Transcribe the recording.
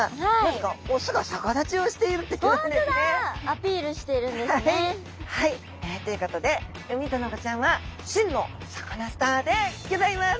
アピールしてるんですね！ということでウミタナゴちゃんは真のサカナスターでギョざいます！